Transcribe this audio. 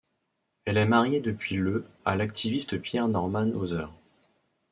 Elle est mariée depuis le à l'activiste Pierre Norman Hauser.